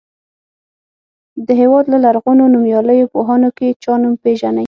د هېواد له لرغونو نومیالیو پوهانو کې چا نوم پیژنئ.